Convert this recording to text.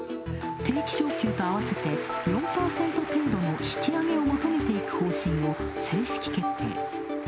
定期昇給と合わせて４％程度の引き上げを求めていく方針を正式決定。